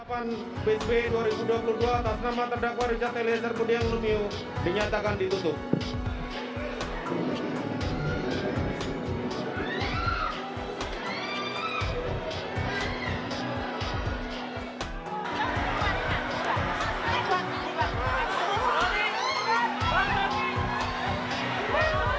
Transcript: delapan delapan dua ribu dua puluh dua atas nama terdakwa rijak t lezer kudian lumio dinyatakan ditutup